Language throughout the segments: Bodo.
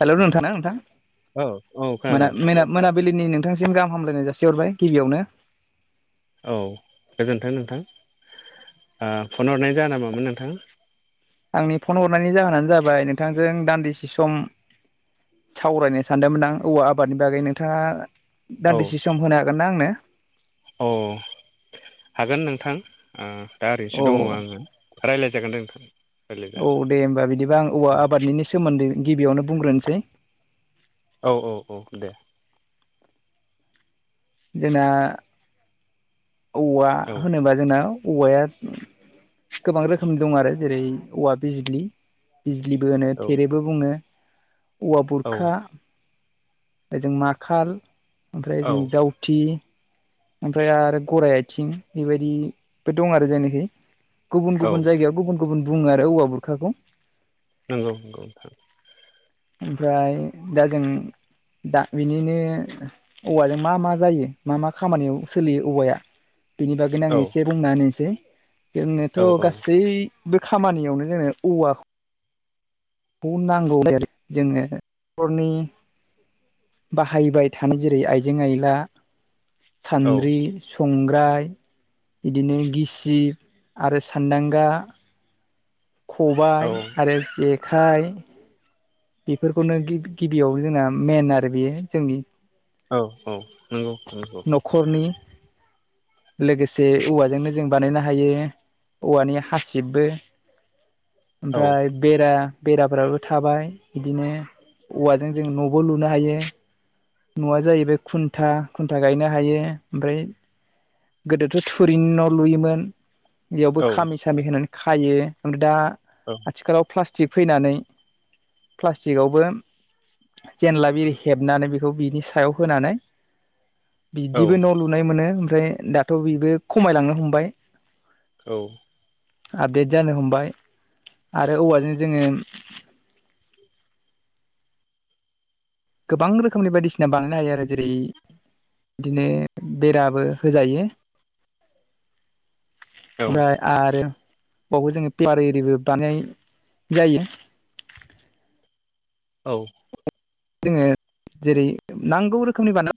हेल' नोंथाङा नोंथां औ औ मोन खोनादों नोंथां [unintelligible] मोनाबिलिनि नोंथांसिम गाहाम हामलायनाय जासिहरबाय गिबियावनो औ गोजोन्थों नोंथां फन हरनाय जाया नामामोन नोंथां आंनि फन हरनायनि जाहोनानो जाबाय नोंथांजों दान्दिसे सम सावरायनो सानदोंमोन आं औवा आबादनि बागै नोंथाङा दान्दिसे सम होनो हागोन ना आंनो अ हागोन नोंथां दा औ ओरैनोसो दङ आङो रायज्लाय जागोन दे नोंथां रायज्लाय औ जागोन दे होनोमबा बिदिबा आं औवा औ आबादनि सोमोन्दै गिबियावनो बुंग्रोनोसै औ औ औ दे जोंना औवा औ होनोबा जोंना औवाया गोबां रोखोमनि दं आरो जेरै औवा बिजलि बिजलिबो होनो औ थेरे बेबो बुङो औवा औ बुरखा जों नाखाल ओमफ्राय औ जों जावथि ओमफ्राय आरो गराइ आथिं बेबायदिबो दं आरो जायनाखि गुबुन औ गुबुन जायगायाव गुबुन गुबुन बुङो आरो औवा बुरखाखौ नंगौ नंगौ ओमफ्राय दा जों दा बिनिनो औवाजों मा मा जायो मा मा खामानियाव सोलियो औवाया बिनि बागैनो आङ औ एसे बुंोंना होनसै जोंनोथ' औ गासै। बे खामानियावनो जोंनो औवाखौ नांगौ आरोि। जोङो न'खरनि। बाहायबाय थानाय जेरै आइजें आयला औ सान्द्रि। संग्राय बिदिनो गिसिब आरो सान्दांगा। खबाय औ आरो जेखाइ। बेफोरखौनो गिबियाव जोंना मेन आरो बेयो जोंनि, औ औ नंगौ नंगौ। न'खरनि लोगोसे औवाजोंनो जों बानायनो हायो औवानि हासिबबो। औ ओमफ्राय बेरा बेराफ्राबो थाबाय। बिदिनो औवाजों जों न'बो लुनो हायो। न'आ जाहैबाय खुन्था खुन्था गायनो हायो ओमफ्राय। गोदोथ' थुरिनि न' लुयोमोन। बेयावबो औ खामि सामि होनानै खायो ओमफ्राय दा। औ। आथिखालाव प्लास्टिक फैनानै। प्लास्टिकआवबो। जेनला बिर हेबनानै बेखौ बिनि सायाव होनानै। औ बिदिबो न' लुनाय मोनो ओमफ्राय दाथ' बेबो खमायलांनो हमबाय। औ। आपडेट जानो हमबाय। आरो औवाजों जोङो। गोबां रोखोमनि बायदिसिना बानायनो हायो आरो जेरै। बिदिनो बेराबो होजायो। ओमफ्राय आरो। बेयावबो जोङो पियार एरिबो दानाय जायो। औ। जोङो जेरै नांगौ रोखोमनि। [unintelligible] [unintelligible] [unintelligible] [unintelligible] [unintelligible]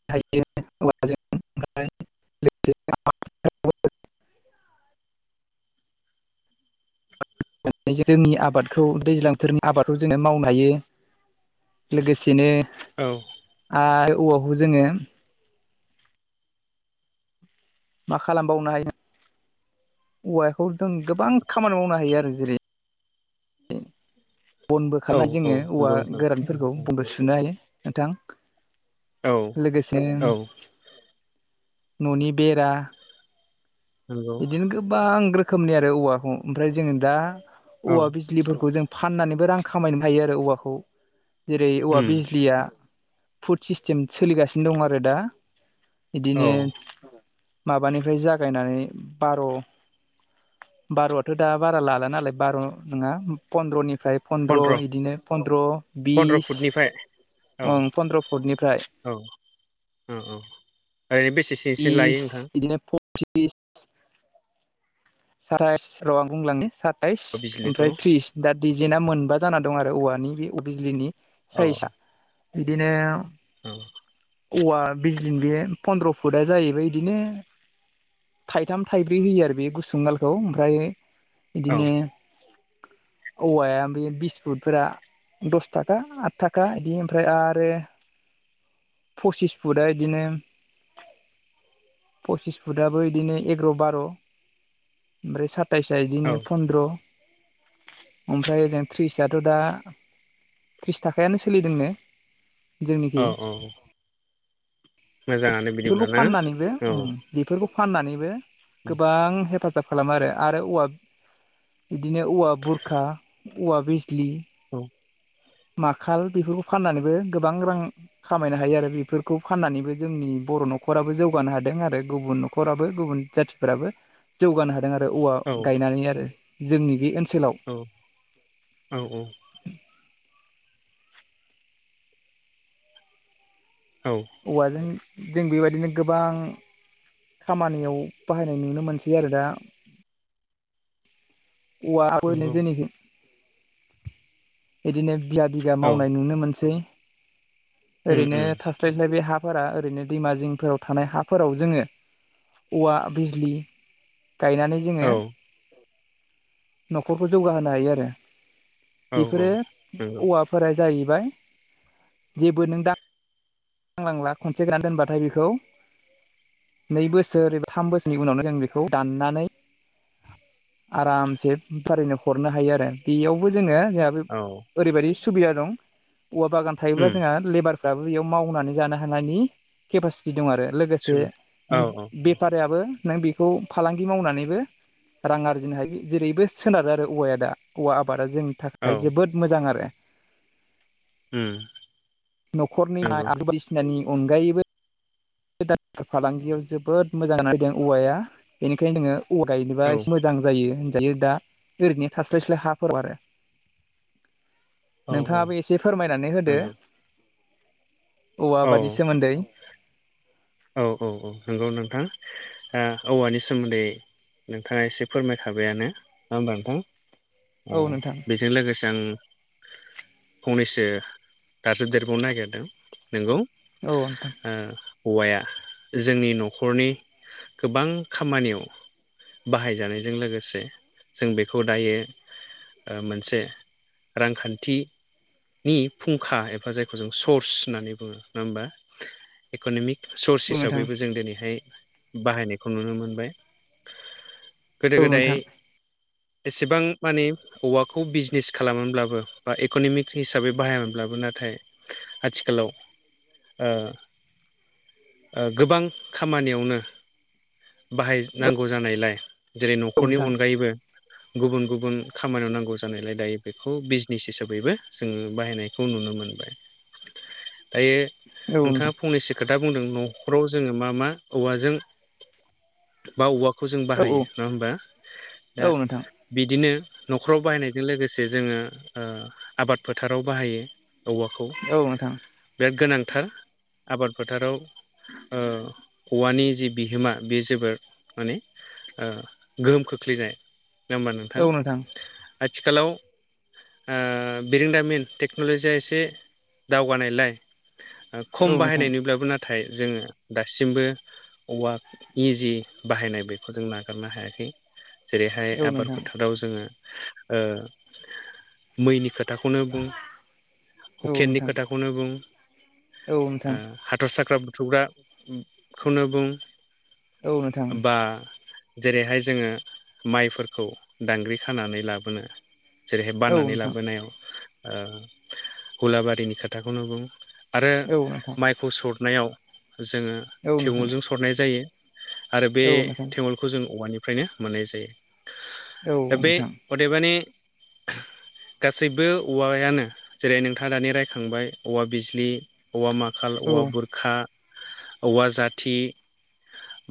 [unintelligible] थायो। जोंनि आबादखौ दैज्लांफोरनि आबादखौ जोङो मावनो हायो। लोगोसेनो। औ। आरो औवाखौ जोङो। मा खालामबावनो हायो औवाखौ जों गोबां खामानि मावनो हायो आरो जेरै। बनबो खालामना औ जोङो औवा नंगौ नोंथां गोरानफोरखौ बनबो सुनो हायो नोंथां। औ लोगोसे औ न'नि बेरा। नंगौ बिदिनो गोबां रोखोमनि आरो औवाखौ ओमफ्राय जोङो दा औ औवा बे। [unintelligible] जों फाननानैबो रां खामायनो हायो आरो औवाखौ। जेरै औवा उम बिजलिया। फुद सिस्टेम सोलिगासिनो दं आरो दा। औ बिदिनो माबानिफ्राय जागायनानै बार'। बार'थ' दा बारा लाला नालाय बार' नङा फन्द्र'निफ्राय। फन्द्र बिदिनो फन्द्र फन्द्र' बिस फुटनिफ्राय औ ओं पन्द्र' फुटनिफ्राय। औ औ औ ओरैनो बेसेसो। बिस बिदिनो फथ्रिस। साताइस [unintelligible] आं बुंलाांनो साताइस बिजलिखौ ओमफ्राय थ्रिस। दा डजेना मोनबा जाना दं आरो औवानि बे बिजलिनि औ साइजआ। बिदिनो। औ औवा बिजलिन बे फन्द्र' फुटआ जाहैबाय बिदिनो। थाइथाम थाइब्रै होयो आरो बे गुसुंगालखौ ओमफ्राय औ बिदिनो। औवाया ओ बिस फुटफोरा। दस थाखा आद थाखा बिदि ओमफ्राय आरो। फसिस फुटआ बिदिनो। पसिस फुटाबबो बिदिनो एगार' बार' ओमफ्राय सात। सताइसा औ बिदिनो फनन्द्र ओमफ्राय ओजों थ्रिसआथ' दा। थ्रिस थाखायानो सोलिदोंनो। औ जोंनिखि औ औ। बिदिब्ला बेफोरखौ ना फाननानै बो‌ औ ओ। बेफोरखौ फाननानैबो गोबां हेफाजाब। खालामो आरो। आरो औवा बिदिनो औवा बुरखा औवा बिजस्लि। औ। माखाल बेफोरखौ फाननानैबो गोबां रां। खामायनो हायो आरो बेफोरखौ फाननानैबो जोंनि बर' न'खराबो जौगानो हादों आरो गुबुन न'खराबो गुबुन जाथि। फोराबो जौगानो हादों आरो औवा औ गायनानै आरो जोंनि बे ओनसोलाव। औ औ औ। औ। औवाजों जों बेबायदिनो गोबां। खामानियाव बाहायनाय नुनो मोनसै आरो दा। औवाफोरनो नंगौ जोंनिखै बिदिनो। बिगा बिघा औ मावनाय नुनो मोनसै उम ओरैनो उम थास। स्लाय स्लाय बे हाफोरा ओरैनो दैमा जिंफोराव थानाय हाफोराव जोङो औवा बिजलि गायनानै औ जोङो न'खरखौ जौगाहोनो हायो आरो औ औ बेफोरो नंगौ औवा फोरा जाहैबाय जेबो नों दा नांलांला खनसे गायना दोनबाथाय बेखौ नै बोसोर एबा थाम बोसोरनि उनावनो जों बेखौ दाननानै आरामसे बेफारिनो हरनो हायो आरो बेयावबो जोङो जाहा औ ओरैबायदि सुबिदा दं औवा बागान थायोब्ला उम जोंहा लेबारफ्राबो बेयाव मावनानै जानो हानायनि केपासिटि दं आरो लोगोसे सुबि नों औ बेफारियाबो नों बेखौ फालांगि मावनानैबो रां आरजिनो हायो जेरैबो सोनारो आरो औवाया दा औवा आबादा जों औ थाखाय जोबोद मोजां आरो उम न'खरनि ना नंगौ [unintelligible] बायदिसिनानि अनगायैबो [inaudible] फालांगियाव जोबोद मोजां फैदों औवाया बेनिखायनो नोङो औवा गायनोबा औ एसे मोजां जायो होनजायो दा ओरैनो थास्लाय स्लाय हाफोराव आरो औ औ नोंथाङाबो एसे फोरमायनानै होदो नंगौ औवा औ आबादनि सोमोन्दै। औ औ औ नंगौ नोंथां ओ औवानि सोमोन्दै नोंथाङा एसे फोरमायखाबायानो ना होमबा नोंथां औ नोंथां अ बे जों लोगोसे आं फंनैसो दाजाब देरबावनो नागिरदों नोंगौ औ नोंथां ओ औवाया जोंनि न'खरनि गोबां खामानियाव बाहायजानायजों लोगोसे जों बेखौ दायो ओ मोनसे रांखान्थि नि फुंखा एबा जायखौ जों सर्स होननानै बुङो नङा होमबा इक'न'मिक सर्स औ नोंथां हिसाबैबो जों दिनैहाय बाहायनायखौ नुनो मोनबाय औ गोदो नोंथां गोदाय एसेबां माने औवाखौ बिजनेस खालामामोनब्लाबो बा इक'नमिक हिसाबै बाहायामोनब्लाबो नाथाय आथिखालाव ओ ओ गोबां खामानियावनो औ बाहायनांगौ जानायलाय जेरै औ नोंथां औ न'खरनि नोंथां अनगायैबो गुबुन गुबुन खामानियाव नांगौ जानायलाय दायो बेखौ बिजनेस हिसाबैबो जोङो बाहायनायखौ नुनो मोनबाय दायो औ नोंथाङा नोंथां फंनैसो खोथा बुंदों न'खराव जोङो मा मा औवाजों बा औवाखौ जों बाहायो नङा होमबा दा औ नोंथां बिदिनो न'खराव बाहायनायजों लोगोसे जोङो ओ आबाद फोथाराव बाहायो औवाखौ औ नोंथां बिराद गोनांथार आबाद फोथाराव। ओ औवानि जि बिहोमा बे जोबोर माने ओ गोहोम खोख्लैनाय नङा होमबा नोंथां आथिखालाव आ बिरोंदामिन टेक्न'लजिया एसे दावगानायलाय खम औ नोंथां बाहायनैब्लाबो ना थाय जोङो दासिमबो औवा नि जे बाहायनाय बेखौ जों नागारनो हायाखै जेरैहाय आबाद फोथाराव जोङो ओ मैनि खो थाखौनो बुं हुकेननि खोथाखौनो बुं औ ओ नोंथां हाथर साख्रा बुथुमग्राखौनो बुं औ नोंथां बा जेरैहाय जोङो माइफोरखौ दांग्रि खानानै लाबोनो जेरैहाय औ बाननानै नोंथां लाबोनायाव ओ हुलाबारिनि खोथाखौनो बुं आरो औ नोंथां माइ खौ सरनायाव जोङो औ नोंथां थेमलजों सरनाय जायो आरो बे औ नोंथां थे खौ जों औवानिफ्रायनो मोननाय जायो औ दा बे नोंथां अदेबानि गासैबो औवायानो जेरै नोंथाङा दानि रायखांबाय औवा बिजी औवा माखाल औ औवा बुरखा औवा जाथि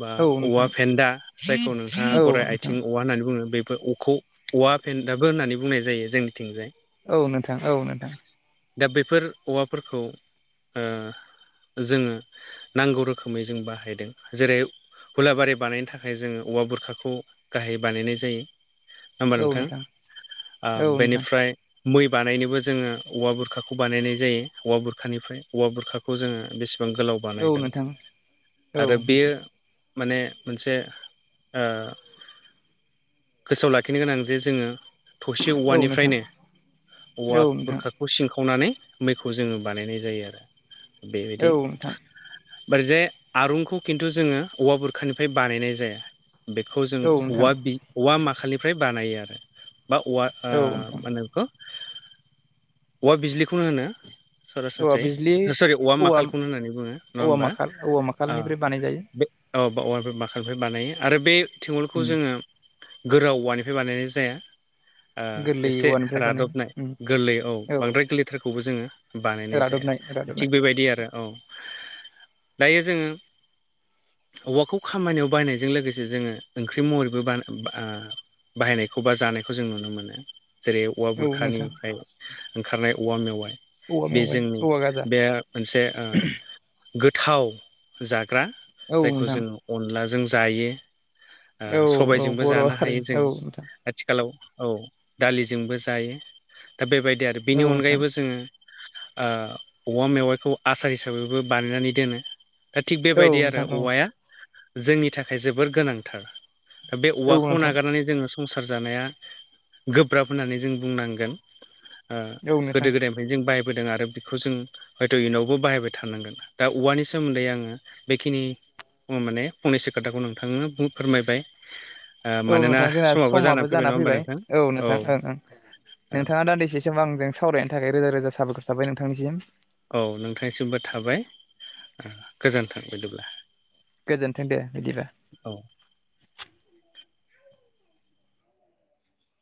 बा औ औवा नोंथां फेन्दा जायखौ नोंथाङा औ गराय नोंथां आथिं औवा होननानै बुङो बेफोर खौ औवा फेनदाबो होननानै बुंनाय जायो जोंनिथिंजाय औ नोंथां औ नोंथां दा बेफोर औवाफोरखौ ओ जोङो नांगौ रोखोमै जों बाहायदों जेरै हुलाबारि बानायनो थाखाय जोङो औवा बुरखाखौ गाहायै बानायनाय जायो नङा होमबा नोंथां औ नोंथां औ ओ नोंथां औ नोंथां बेनिफ्राय मै बानायनोबो जोङो औवा बुरखाखौ बानायनाय जायो औवा बुरखानिफ्राय औवा बुरखाखौ जोङो बेसेबां गोलाव बानायगोन औ आरो नोंथां बेयो माने मोनसे ओ गोसोआव लाखिनो गोनां जे जोङो थसे औ नोंथां औवानिफ्रायनो औवा औ नोंथां बुरखाखौ सिंखावनानै मैखौ जोङो बानायनाय जायो आरो बेबायदि औ ओरैजाय आरुनखौ खिन्थु जोङो औवा बुरखानिफ्राय बानायनाय जाया बेखौ जों नोंथां औवा बि औवा माखानिफ्राय बानायो आरो बा औवा ओ औ नोंथां मा होनो औवा बिजलिखौनो होनो औवा बिजलि सरासनस्रायै [unintelligible] औवा माखालखौनो होननानै बुङो नङा औवा होमबा माखाल औवा ओ माखालनिफ्राय बानायजायो बे औ औवा बाखाननिफ्राय बानायो आरो बे थिगलखौ जोङो गोरा औवानिफ्राय बानायनाय जाया ओ गोरलै एसे औवा रादबनाय गोरलै औ बांद्राय गोरलै बोथारखौबो जोङो बानायनाय जाया रादबनाय रादबनाय थिग बेबायदि आरो औ दायो जोङो औवाखौ खामानियाव बायनायजों लोगोसे जोङो ओंख्रि महरैबो बा ओ बाहायनायखौ बा जानायखौ जों नुनो मोनो जेरै औवा औ नोंथां बुरखानिफ्राय ओंखारनाय औवा मेवाय औवा बे मेवाइ जोंनि औवा गाजा बे मोनसे ओ गोथाव जाग्रा औ जायखौ नोंथां जोङो अनलाजों जायो ओ औ औ सबायजोंबो बर' जानो हायो हारिनि जों औ नोंथां आथिखालाव औ दालिजोंबो जायो दा बेबायदि आरो औ बेनि नोंथां अनगायैबो जोङो ओ औवा मेवाइखौ आसार हिसाबैबो बानायनानै दोनो दा थिग औ बेबायदि आरो नोंथां औ औवाया जोंनि थाखाय जोबोर गोनांथार बे औ औवाखौ नोंथां नागारनानै जोङो संसार जानाया गोब्राब होननानै जों बुंनांगोन ओ औ नोंथां गोदो गोदायनिफ्रायनो जों बायबोदों आरो बेखौ जों हयथ' इयनावबो बाहायबाय थानांगोन दा औवानि सोमोन्दै आङो बेखिनि अ माने फंनैसो खोथाखौ नोंथांनो फोरमायबाय ओ औ मानोना नोंथां जोंना समाबो जानानै जाना नङा होमबा फैबाय नोंथां औ नोंथां ओं ओं औ नोंथाङा दान्दिसे समाव आंजों सावरायनो थाखाय रोजा रोजा साबायखर थाबाय नोंथांनिसिम औ नोंथांनिसिमबो थाबाय गोजोनथों बिदिब्ला गोजोन्थों दे बिदिबा औ